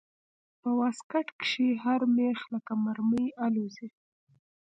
په واسکټ کښې هر مېخ لکه مرمۍ الوزي.